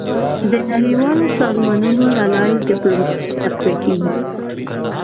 . د نړیوالو سازمانونو له لارې ډيپلوماسي تقویه کېږي.